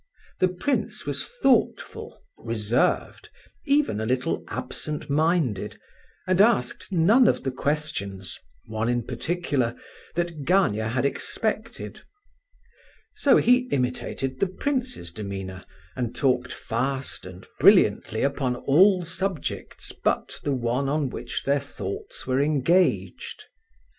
The prince was thoughtful, reserved, even a little absent minded, and asked none of the questions—one in particular—that Gania had expected. So he imitated the prince's demeanour, and talked fast and brilliantly upon all subjects but the one on which their thoughts were engaged.